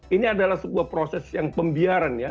ini adalah sebuah proses yang pembiaran ya